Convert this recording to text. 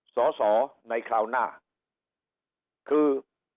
สอสอในคราวหน้าคือ